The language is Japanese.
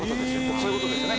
そういう事ですよね？